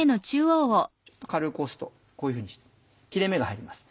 ちょっと軽く押すとこういうふうにして切れ目が入ります。